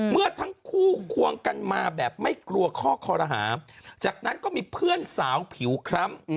เมื่อทั้งคู่ควงกันมาแบบไม่กลัวข้อคอรหาจากนั้นก็มีเพื่อนสาวผิวคล้ำ